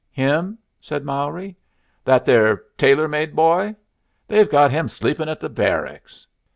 "Him?" said Mowry; "that there tailor made boy? They've got him sleepin' at the Barracks."